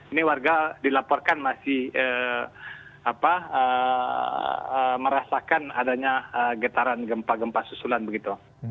ini warga dilaporkan masih merasakan adanya getaran gempa gempa susulan begitu